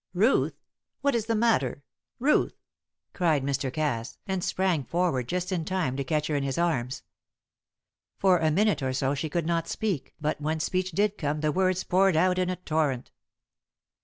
"Ruth! What is the matter? Ruth!" cried Mr. Cass, and sprang forward just in time to catch her in his arms. For a minute or so she could not speak, but when speech did come the words poured out in a torrent.